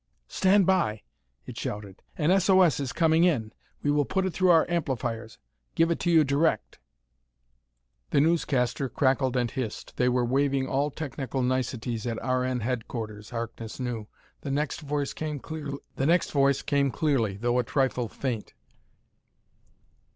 "Stand by!" it shouted. "An S. O. S. is coming in. We will put it through our amplifiers; give it to you direct!" The newscaster crackled and hissed: they were waiving all technical niceties at R. N. Headquarters, Harkness knew. The next voice came clearly, though a trifle faint.